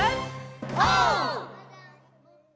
オー！